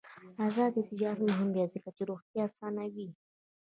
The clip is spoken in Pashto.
آزاد تجارت مهم دی ځکه چې روغتیا اسانوي.